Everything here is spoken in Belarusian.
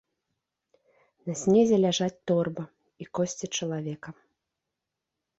На снезе ляжаць торба і косці чалавека.